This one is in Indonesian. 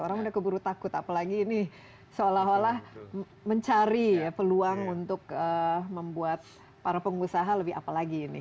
orang sudah keburu takut apalagi ini seolah olah mencari peluang untuk membuat para pengusaha lebih apalagi ini